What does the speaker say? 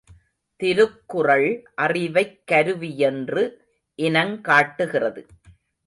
திருக்குறள், அறிவைக் கருவியென்று இனங் காட்டுகிறது.